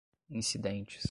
incidentes